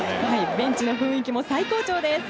ベンチの雰囲気も最高潮です。